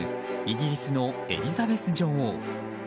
イギリスのエリザベス女王。